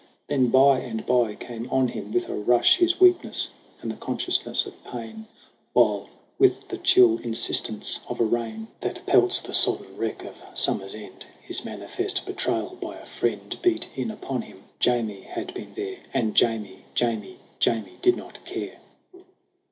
Then bye and bye came on him with a rush His weakness and the consciousness of pain, While, with the chill insistence of a rain THE AWAKENING 31 That pelts the sodden wreck of Summer's end, His manifest betrayal by a friend Beat in upon him. Jamie had been there; And Jamie Jamie Jamie did not care